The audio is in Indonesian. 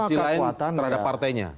sisi lain terhadap partainya